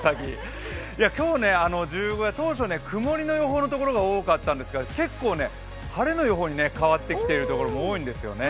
今日ね、十五夜、当初は曇りの予報のところが多かったんですが結構晴れの予報に変わってきているところ多いんですよね。